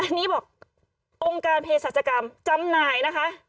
อันนี้บอกองค์การเพศรัชกรรมจำหน่ายนะคะ